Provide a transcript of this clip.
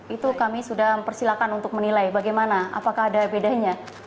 itu kami sudah mempersilahkan untuk menilai bagaimana apakah ada bedanya